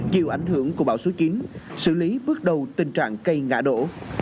chịu ảnh hưởng của bão số chín xử lý bước đầu tình trạng cây ngã đổ